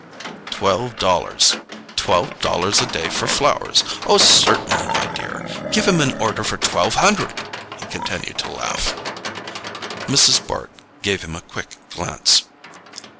"Twelve dollars—twelve dollars a day for flowers? Oh, certainly, my dear—give him an order for twelve hundred." He continued to laugh. Mrs. Bart gave him a quick glance.